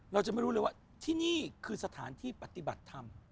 เราจะไม่รู้เลยว่าที่นี่คือสถานที่ปฏิบัติธรรม